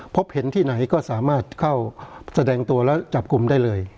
พบเห็นที่ไหนก็สามารถเข้าแสดงตัวและจับกลุ่มได้เลย